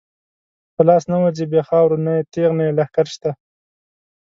په لاس نه ورځی بی خاورو، نه یې تیغ نه یی لښکر شته